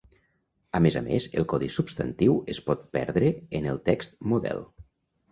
A més a més, el codi substantiu es pot perdre en el text model.